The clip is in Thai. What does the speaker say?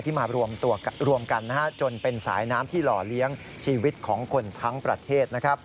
มารวมตัวกันจนเป็นสายน้ำที่หล่อเลี้ยงชีวิตของคนทั้งประเทศ